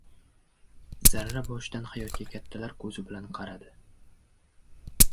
Zarra boshidan hayotga kattalar ko‘zi bilan qaradi.